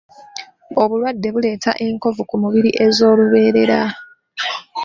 Obulwadde buleeta enkovu ku mubiri ez'olubeerera.